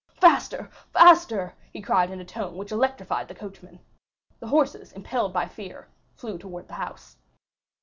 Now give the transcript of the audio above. "Faster, faster!" he cried, in a tone which electrified the coachman. The horses, impelled by fear, flew towards the house.